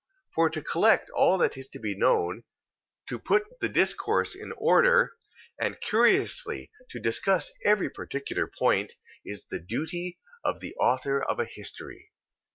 2:31. For to collect all that is to be known, to put the discourse in order, and curiously to discuss every particular point, is the duty of the author of a history: 2:32.